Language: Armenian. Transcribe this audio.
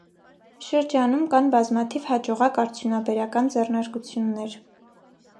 Շրջանում կան բազմաթիվ հաջողակ արդյունաբերական ձեռնարկություններ։